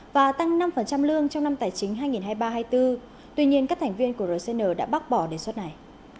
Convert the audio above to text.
và tăng năm lương trong năm tài chính hai nghìn hai mươi ba hai nghìn hai mươi bốn tuy nhiên các thành viên của rcn đã bác bỏ đề xuất này